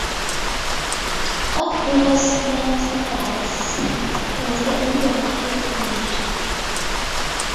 Of Pluto's smaller satellites, it was the only one clearly imaged.